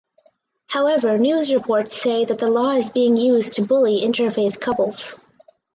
However news reports say that the law is being used to bully interfaith couples.